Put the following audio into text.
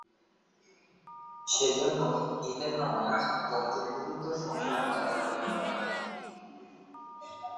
সেজন্য ঈদের নামাজ যত দ্রুত সম্ভব আদায় করতে হবে।